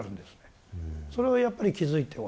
それをやっぱり気付いてほしい。